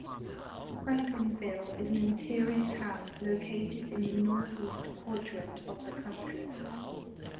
Franklinville is an interior town, located in the northeast quadrant of the county.